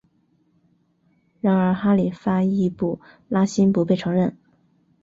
然而哈里发易卜拉欣不被承认。